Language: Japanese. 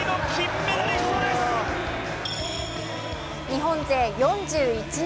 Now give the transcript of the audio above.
日本勢４１年